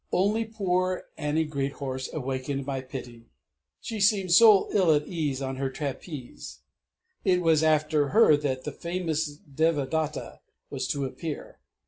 Only poor Annie Greathorse awakened my pity she seemed so ill at ease on her Trapeze! It was after her that the "Famous Devadatta" was to appear.